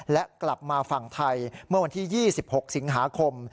และกลับมาฝั่งไทยเมื่อวันที่๒๖สิงหาคม